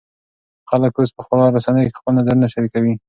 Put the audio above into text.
خلک اوس په خواله رسنیو کې خپل نظر شریکوي.